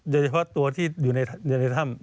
โดยเฉพาะตัวที่อยู่ในถ้ำ